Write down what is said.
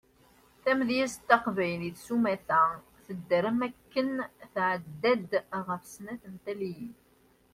Tamedyazt taqbaylit sumata tedder am waken tɛedda-d ɣef snat n taliyin.